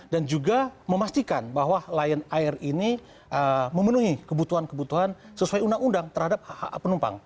dan juga memastikan bahwa lion air ini memenuhi kebutuhan kebutuhan sesuai undang undang terhadap penumpang